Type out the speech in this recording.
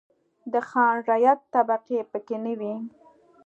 د خان-رعیت طبقې پکې نه وې.